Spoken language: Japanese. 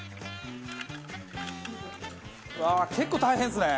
うわー結構大変ですね。